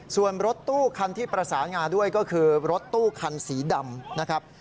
ส่วนรถตู้คันที่ประสานงาด้วยก็คือรถตู้คันสีดำนะครับ